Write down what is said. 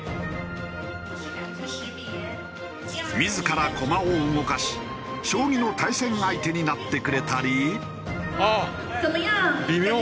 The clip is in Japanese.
自ら駒を動かし将棋の対戦相手になってくれたり。